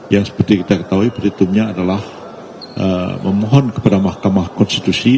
yang seperti kita ketahui perhitungnya adalah memohon kepada mahkamah konstitusi